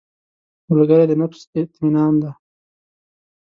ملګری د نفس اطمینان دی